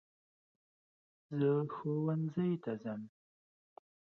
زه ښونځي ته ځم.